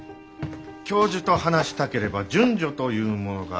教授と話したければ順序というものがある。